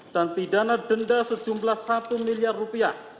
dan pidana denda sejumlah satu miliar rupiah